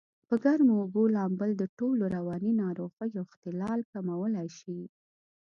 په ګرمو اوبو لامبل دټولو رواني ناروغیو اختلال کمولای شي.